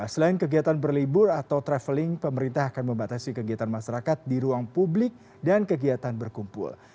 selain kegiatan berlibur atau traveling pemerintah akan membatasi kegiatan masyarakat di ruang publik dan kegiatan berkumpul